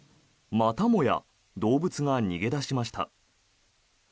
またもや動物が逃げ出しました。